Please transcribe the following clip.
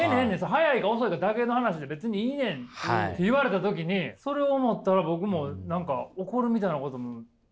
早いか遅いかだけの話で別にいいねん」って言われた時にそれを思ったら僕も何か怒るみたいなこともないし。